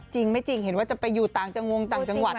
จริงไม่จริงเห็นว่าจะไปอยู่ต่างจังหวัดต่างจังหวัด